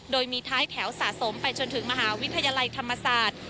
โดยมีท้ายแถวสะสมไปจนถึงมหาวิทยาลัยธรรมศาสตร์